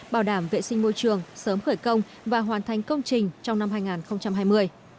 bảo đảm vệ sinh môi trường sớm khởi công và hoàn thành công trình trong năm hai nghìn hai mươi